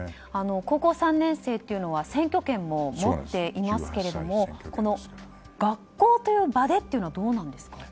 高校３年生というのは選挙権も持っていますがこの学校という場でというのはどうなんですかね。